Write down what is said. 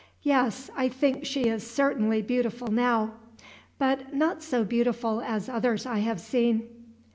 Yes, I think she is certainly beautiful now. But not so beautiful as others I have seen."